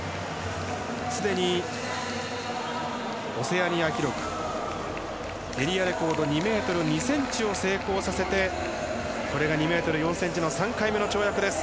すでにオセアニア記録エリアレコード、２ｍ２ｃｍを成功させてこれが２ｍ４ｃｍの３回目の跳躍。